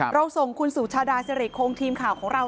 เราส่งคุณสุชาดาสิริคงทีมข่าวของเรา